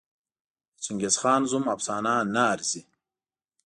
د چنګېزخان زوم افسانه نه ارزي.